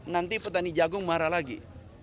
nanti petani jagung marah lagi